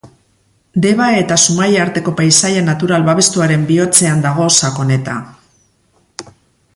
Deba eta Zumaia arteko Paisaia Natural Babestuaren bihotzean dago Sakoneta.